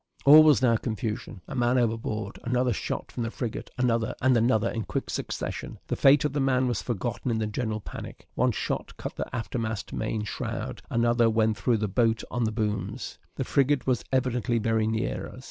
All was now confusion. "A man overboard!" another shot from the frigate another and another in quick succession. The fate of the man was forgotten in the general panic. One shot cut the aftermost main shroud; another went through the boat on the booms. The frigate was evidently very near us.